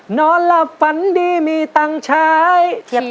นอนหลับฝันดีมีตังค์ใช้